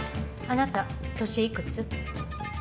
あなた年いくつ？